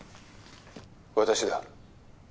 私だ。